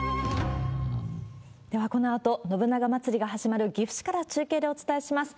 では、このあと、信長まつりが始まる岐阜市から中継でお伝えします。